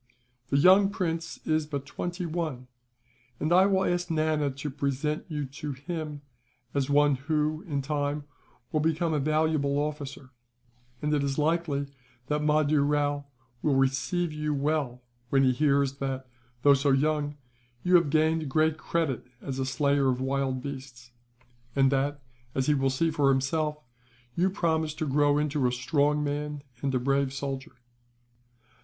The young prince is but twenty one, and I will ask Nana to present you to him as one who, in time, will become a valuable officer; and it is likely that Mahdoo Rao will receive you well when he hears that, though so young, you have gained great credit as a slayer of wild beasts; and that, as he will see for himself, you promise to grow into a strong man, and a brave soldier.